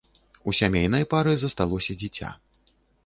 У сямейнай пары засталося дзіця.